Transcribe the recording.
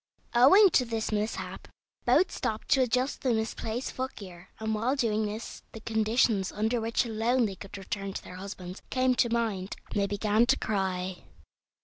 Owing to this mishap both stopped to adjust the misplaced footgear, and while doing this the conditions under which alone they could return to their husbands came to mind, and they began to cry.